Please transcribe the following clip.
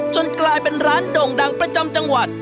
กลายเป็นร้านโด่งดังประจำจังหวัด